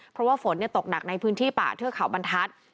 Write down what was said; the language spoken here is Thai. เพราะว่าฝนตกหนักในพื้นที่ป่าเทือกเขาบรรทัศน์